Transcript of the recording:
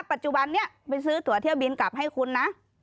ปัจจุบันนี้ไปซื้อตัวเที่ยวบินกลับให้คุณนะ